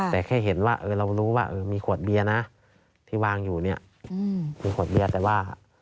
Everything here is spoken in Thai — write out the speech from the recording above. แต่แค่เห็นว่าเออเรารู้ว่ามีขวดเบียนะที่วางอยู่เนี่ยแหละว่า